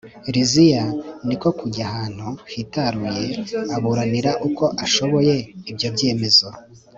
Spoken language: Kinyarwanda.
liziya ni ko kujya ahantu hitaruye, aburanira uko ashoboye ibyo byemezo